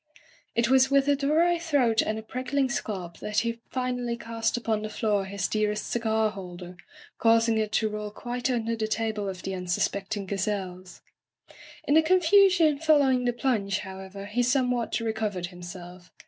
It was with a dry throat and a prickling scalp that he finally cast upon the floor his dearest cigar holder, causing it to roll quite under the table of the unsuspecting gazelles. In the confusion following the plunge, how ever, he somewhat recovered himself.